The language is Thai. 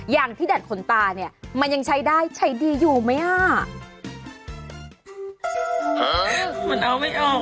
อย่างที่ดัดขนตามันยังใช้ดีอยู่ไหม